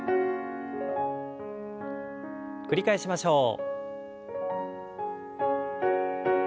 繰り返しましょう。